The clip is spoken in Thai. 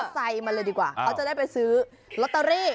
ใส่มาเลยดีกว่าเขาจะได้ไปซื้อลอตเตอรี่